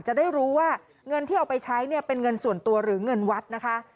จะได้รู้ว่าเงินที่เอาไปใช้เนี่ยเป็นเงินส่วนตัวหรือเงินวัดนะคะ